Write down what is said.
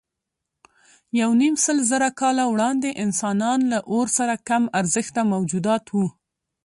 یونیمسلزره کاله وړاندې انسانان له اور سره کم ارزښته موجودات وو.